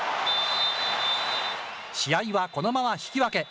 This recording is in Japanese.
試合はこのまま引き分け。